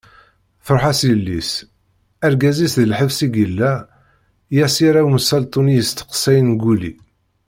Truḥ-as yelli-s, argaz-is di lḥebs i yella, i as-yerra umsaltu-nni yesteqsayen Guli.